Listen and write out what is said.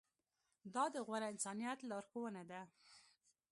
دا د غوره انسانیت لارښوونه ده.